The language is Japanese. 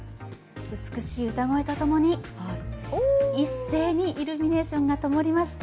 美しい歌声とともに、一斉にイルミネーションがともりました。